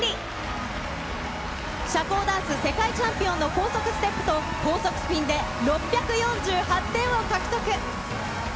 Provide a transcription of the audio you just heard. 社交ダンス世界チャンピオンの高速ステップと高速スピンで６４８点を獲得。